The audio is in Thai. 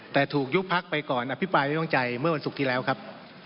แต่ถูกยุบพักไปก่อนอภิปรายไม่ต้องใจเมื่อวันศุกร์ที่แล้วครับ